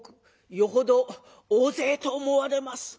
「よほど大勢と思われます」。